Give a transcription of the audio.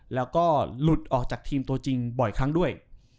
แล้วก็หลุดออกจากทีมตัวจริงบ่อยครั้งด้วย